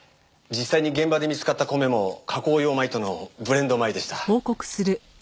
実際に現場で見つかった米も加工用米とのブレンド米でした。